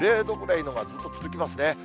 ０度ぐらいがずっと続きますね。